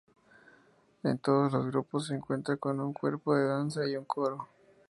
En todos los grupos se cuenta con un cuerpo de danza y un coro.